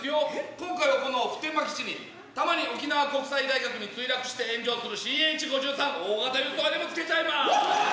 今回は普天間基地にたまに沖縄国際大学に墜落して炎上するＣＨ５３大型輸送ヘリもつけちゃいます。